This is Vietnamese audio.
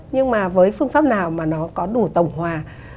nhưng mà với phương pháp nào mà nó có đủ tổng hòa